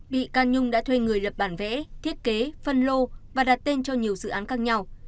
bị can nhung đã thuê người lập bản vẽ thiết kế phân lô và đặt tên cho nhiều dự án khác nhau